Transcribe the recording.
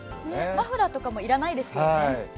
マフラーとかも要らないですよね。